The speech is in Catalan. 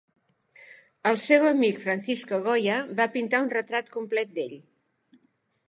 El seu amic, Francisco Goya, va pintar un retrat complet d"ell.